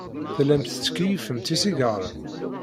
Tellamt tettkeyyifemt isigaṛen.